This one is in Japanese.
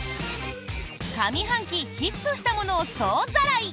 上半期ヒットしたものを総ざらい！